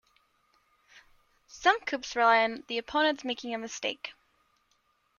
Some coups rely on the opponents making a mistake.